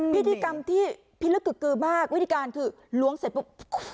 พิธีกรรมที่พิลึกกึกกือมากวิธีการคือล้วงเสร็จปุ๊บ